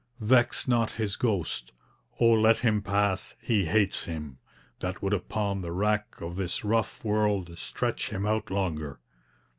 Vex not his ghost; O let him pass! he hates him That would upon the rack of this rough world Stretch him out longer.